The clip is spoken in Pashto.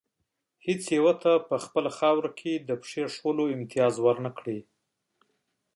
هېڅ یو ته په خپله خاوره کې د پښې ایښودلو امتیاز ور نه کړي.